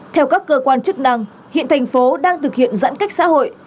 theo các cơ quan chức năng hiện thành phố đang thực hiện giãn cách xã hội